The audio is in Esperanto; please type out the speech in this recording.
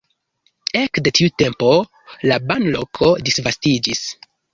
Ekde tiu tempo la banloko disvastiĝis.